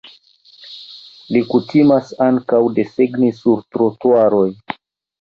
Li kutimas ankaŭ desegni sur trotuaroj.